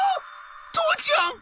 「父ちゃん！」。